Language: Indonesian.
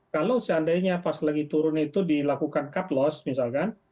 kalau seandainya pas lagi turun itu dilakukan cut loss misalkan